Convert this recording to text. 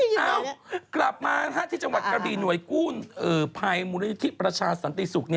เอ้ากลับมาที่จังหวัดกระบี่หน่วยกู้ภัยมูลนิธิประชาสันติศุกร์